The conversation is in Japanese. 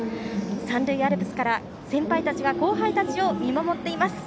三塁アルプスから先輩たちが後輩たちを見守っています。